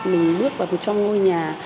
mình bước vào trong ngôi nhà